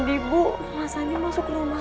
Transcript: ini pak sekalian pak